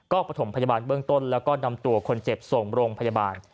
ก็ประถมพยาบาลเบื้องต้นแล้วก็นำตัวคนเจ็บส่งโรงพยาบาล